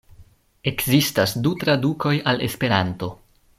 Ekzistas du tradukoj al Esperanto.